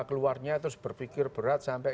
keluar nya terus berpikir berat sampai